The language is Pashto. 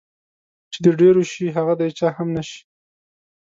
چې د ډېرو شي هغه د هېچا هم نشي.